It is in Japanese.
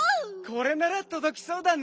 これならとどきそうだね。